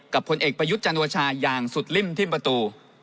ผลเอกประยุทธ์จันโอชาอย่างสุดลิ่มที่ประตู